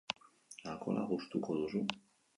Alkohola gustuko duzu?